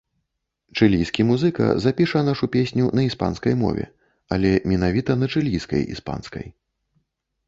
Чылійскі музыка запіша нашу песню на іспанскай мове, але менавіта на чылійскай іспанскай.